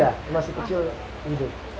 ya yang masih kecil hidup